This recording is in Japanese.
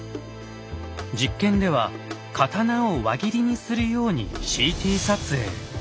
実験では刀を輪切りにするようにＣＴ撮影。